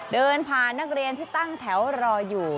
เดินผ่านนักเรียนที่ตั้งแถวรออยู่